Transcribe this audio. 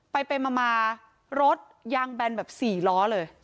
ไปมารถยางแบนแบบ๔ล้อเลย